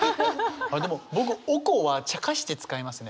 僕「おこ」はちゃかして使いますね！